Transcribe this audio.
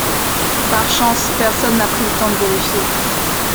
Par chance personne n'a pris le temps de v'erifier.